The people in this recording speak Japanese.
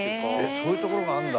そういう所があるんだ。